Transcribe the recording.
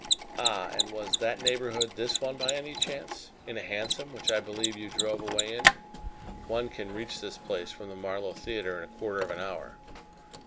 "Ah, and was that neighborhood this one, by any chance? In a hansom which I believe you drove away in one can reach this place from the Marlow Theatre in a quarter of an hour."